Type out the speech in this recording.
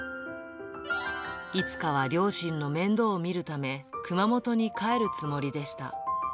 いつかは両親の面倒を見るため、熊本に帰るつもりでした。